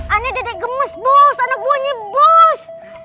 aneh dedek gemes bos anak buahnya bos